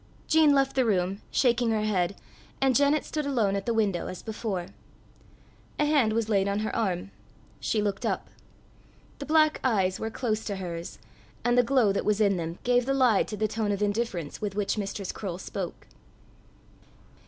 Jean left the room, shaking her head, and Janet stood alone at the window as before. A hand was laid on her arm. She looked up. The black eyes were close to hers, and the glow that was in them gave the lie to the tone of indifference with which Mistress Croale spoke.